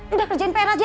udah kerjain pr aja